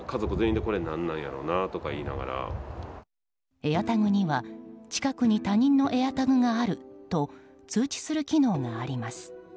ＡｉｒＴａｇには、近くに他人のＡｉｒＴａｇがあると通知する機能があります。